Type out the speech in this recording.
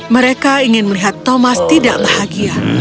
mereka ingin melihat thomas tidak bahagia